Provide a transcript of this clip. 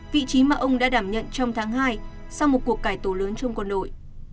vị trí mà ông đã đảm nhận trong tháng hai sau một cuộc cải tổ lớn chung quân đội